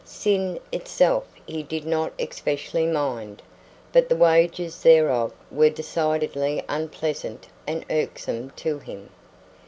Sin itself he did not especially mind, but the wages thereof were decidedly unpleasant and irksome to him.